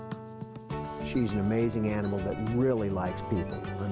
dia adalah karyawan yang sangat menarik yang sangat menyukai orang